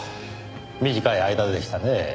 短い間でしたねぇ。